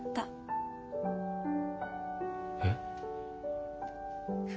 えっ？